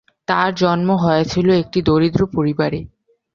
তার জন্ম হয়েছিল একটি দরিদ্র পরিবারে।